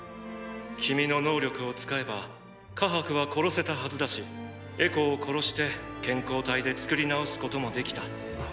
君の能力を使えばカハクは殺せたはずだしエコを殺して健康体で作り直すこともできた。